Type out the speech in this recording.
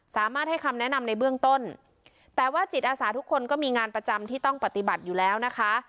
สามารถให้คำแนะนำในเบื้องต้นแต่ว่าจิตอาสาทุกคนก็มีงานประจำที่ต้องปฏิบัติอยู่แล้วนะคะ